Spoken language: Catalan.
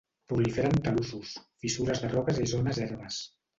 Prolifera en talussos, fissures de roques i zones ermes.